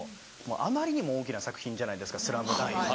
あまりにも大きな作品じゃないですか『ＳＬＡＭＤＵＮＫ』。